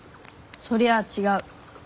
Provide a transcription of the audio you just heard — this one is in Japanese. そりゃあ違う。